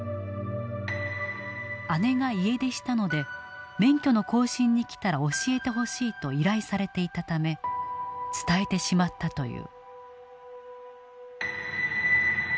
「姉が家出したので免許の更新に来たら教えてほしい」と依頼されていたため伝えてしまったという。